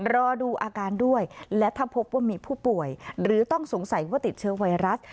รอดูอาการด้วยและถ้าพบว่ามีผู้ป่วยหรือต้องสงสัยว่าติดเชื้อไวรัส